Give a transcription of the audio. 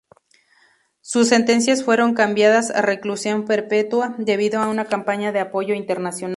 Sus sentencias fueron cambiadas a reclusión perpetua, debido a una campaña de apoyo internacional.